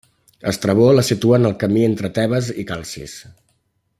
Estrabó la situa en el camí entre Tebes i Calcis.